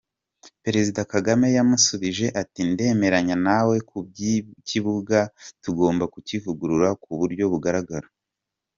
Perezida Kagame yamusubije ati “ Ndemeranya nawe ku by’ikibuga, tugomba kukivugurura ku buryo bugaragara.